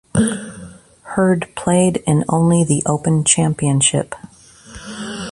Herd played in only The Open Championship.